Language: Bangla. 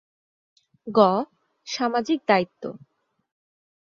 গ. সামাজিক দায়িত্ব